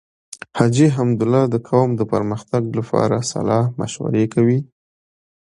حاجی حميدالله د قوم د پرمختګ لپاره صلاح مشوره کوي.